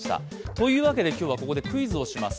というわけでここでクイズをします。